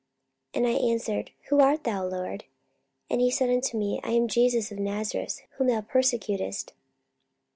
44:022:008 And I answered, Who art thou, Lord? And he said unto me, I am Jesus of Nazareth, whom thou persecutest.